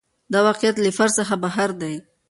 دا واقعیت له فرد څخه بهر دی.